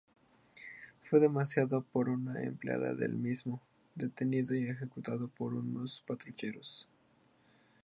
Fue denunciado por una empleada del mismo, detenido y ejecutado por unos patrulleros.